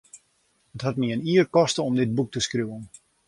It hat my in jier koste om dit boek te skriuwen.